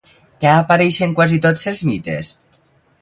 Què apareix en quasi tots els mites?